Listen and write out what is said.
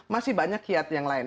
masih banyak kiat yang lain